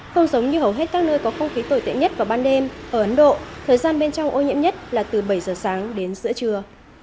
không giống như hầu hết các nơi có không khí tồi tệ nhất vào ban đêm ở ấn độ thời gian bên trong ô nhiễm nhất là từ bảy giờ sáng đến giữa trưa